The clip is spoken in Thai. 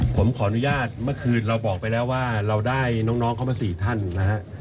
ผมขออนุญาตเมื่อคืนเราบอกไปแล้วว่าเราได้น้องเข้ามา๔ท่านนะฮะ